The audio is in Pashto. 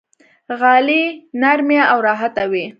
غالۍ نرمې او راحته وي.